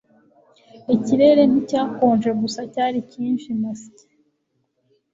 Ikirere nticyakonje gusa cyari cyinshi masya